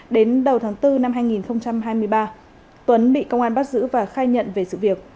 đến đầu tháng bốn năm hai nghìn hai mươi ba tuấn bị công an bắt giữ và khai nhận về sự việc